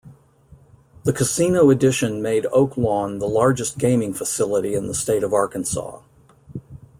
The casino addition made Oaklawn the largest gaming facility in the state of Arkansas.